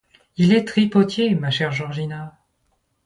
Il est tripotier, ma chère Georgina.